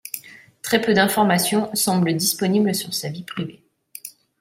Très peu d'informations semblent disponibles sur sa vie privée.